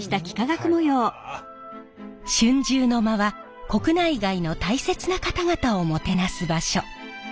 春秋の間は国内外の大切な方々をもてなす場所。